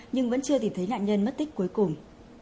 nhưng vẫn chưa tìm thấy nạn nhân mất tích cuối cùng